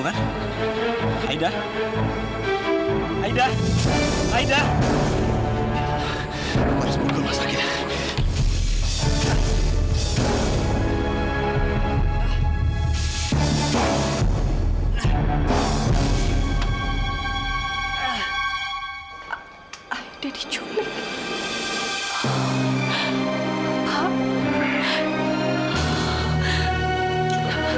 aik tadi culik